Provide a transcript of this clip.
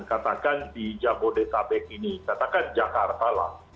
katakan di jakarta